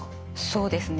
そうですね。